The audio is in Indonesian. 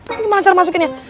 ini gimana caranya masukin ya